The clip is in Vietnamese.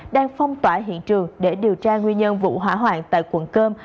đang phong tỏa hiện trường để điều tra nguyên nhân vụ hỏa hoạn tại quận cơm